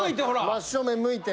真正面向いて！